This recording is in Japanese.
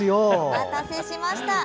お待たせしました。